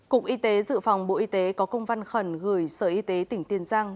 cục y tế dự phòng bộ y tế có công văn khẩn gửi sở y tế tỉnh tiền giang